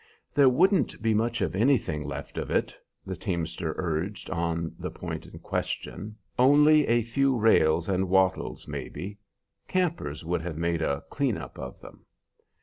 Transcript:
"There wouldn't be much of anything left of it," the teamster urged on the point in question; "only a few rails and wattles, maybe. Campers would have made a clean up of them."